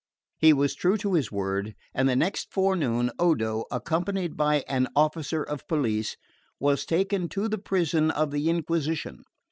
He was true to his word; and the next forenoon Odo, accompanied by an officer of police, was taken to the prison of the Inquisition.